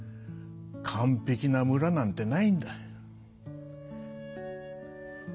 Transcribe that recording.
完ぺきな村なんてないんだ。